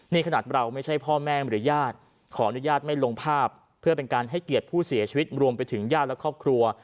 ขนาดเราไม่ใช่พ่อแม่หรือญาติขออนุญาตไม่ลงภาพเพื่อเป็นการให้เกียรติผู้เสียชีวิตรวมไปถึงญาติและครอบครัว